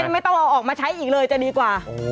ไม่ต้องเอาออกมาใช้อีกเลยจะดีกว่า